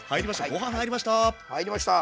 ご飯入りました！